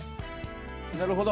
なるほど。